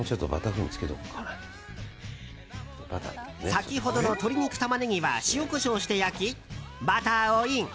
先ほどの鶏肉、タマネギは塩、コショウして焼きバターをイン。